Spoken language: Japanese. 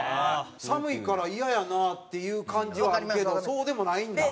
寒いから嫌やなっていう感じはあるけどそうでもないんだ。